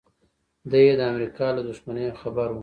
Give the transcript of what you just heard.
دی یې د امریکا له دښمنۍ خبر و